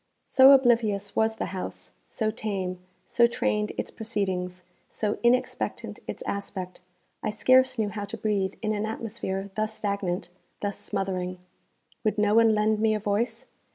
So oblivious was the house, so tame, so trained its proceedings, so inexpectant its aspect, I scarce knew how to breathe in an atmosphere thus stagnant, thus smothering. Would no one lend me a voice?